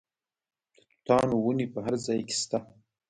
د توتانو ونې په هر ځای کې شته.